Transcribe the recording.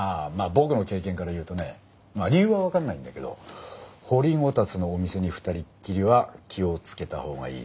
僕の経験から言うとね理由は分かんないんだけど掘りごたつのお店に２人っきりは気を付けた方がいいね。